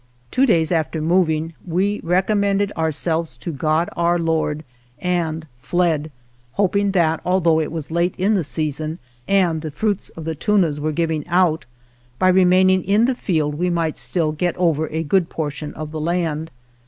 TWO days after moving we recom mended ourselves to God, Our Lord, and fled, hoping that, al though it was late in the season and the fruits of the tunas were giving out, by re maining in the field we might still get over a good portion of the land.